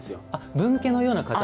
分家のような形。